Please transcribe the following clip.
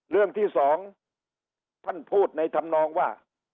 เรื่องที่สองท่านพูดในธรรมนองว่า